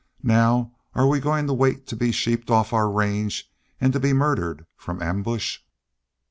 Now, are we goin' to wait to be sheeped off our range an' to be murdered from ambush?"